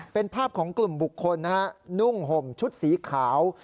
เป็นภาพของกลุ่มบุคคลนะฮะนุ่งห่มชุดสีขาว